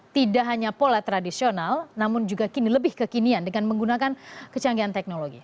tidak hanya pola tradisional namun juga kini lebih kekinian dengan menggunakan kecanggihan teknologi